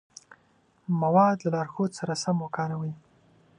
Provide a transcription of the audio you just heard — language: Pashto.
مواد له لارښود سره سم وکاروئ.